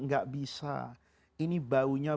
enggak bisa ini baunya